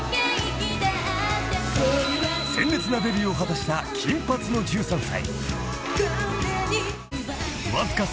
［鮮烈なデビューを果たした金髪の１３歳］